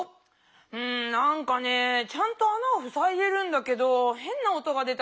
うんなんかねちゃんとあなをふさいでるんだけどへんな音が出たりして。